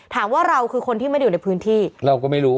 เราคือคนที่ไม่ได้อยู่ในพื้นที่เราก็ไม่รู้